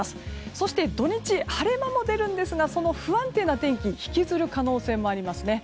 そして土日晴れ間も出るんですがその不安定な天気を引きずる可能性もあります。